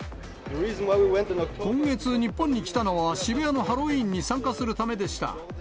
今月、日本に来たのは渋谷のハロウィーンに参加するためでした。